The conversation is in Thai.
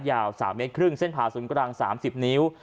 ยาวสามเมตรครึ่งเส้นผาศูนย์กลางสามสิบนิ้ว